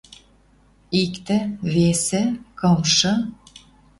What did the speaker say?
Иктӹ, весӹ, кымшы